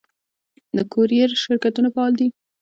د کوریر شرکتونه فعال دي؟